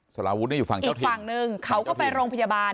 สารวุฒินี่อยู่ฝั่งเจ้าที่อีกฝั่งหนึ่งเขาก็ไปโรงพยาบาล